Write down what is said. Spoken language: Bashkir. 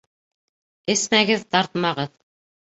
Эсмәгеҙ, тартмағыҙ!